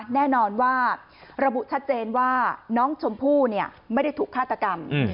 แน่นอนว่าระบุชัดเจนว่าน้องชมพู่ไม่ได้ถูกฆาตกรรม